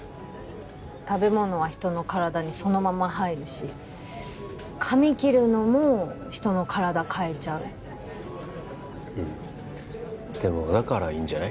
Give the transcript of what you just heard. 食べ物は人の体にそのまま入るし髪切るのも人の体変えちゃううんでもだからいいんじゃない？